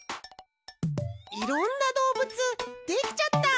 いろんなどうぶつできちゃった！